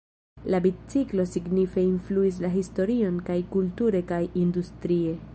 La biciklo signife influis la historion kaj kulture kaj industrie.